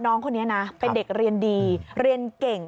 น้องคนนี้นะเป็นเด็กเรียนดีเรียนเก่ง